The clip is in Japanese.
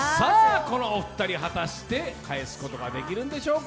このお二人、果たして返すことはできるんでしょうか。